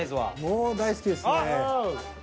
もう大好きですね。